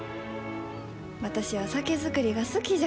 私は、酒造りが好きじゃ。